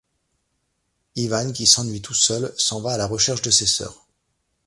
Ivan, qui s'ennuie tout seul, s'en va à la recherche de ses sœurs.